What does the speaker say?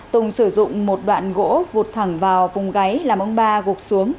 tùng sử dụng một đoạn gỗ vụt thẳng vào vùng gáy làm ông ba gục xuống